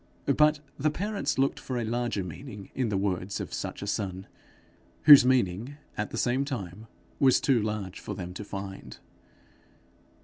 But the parents looked for a larger meaning in the words of such a son whose meaning at the same time was too large for them to find.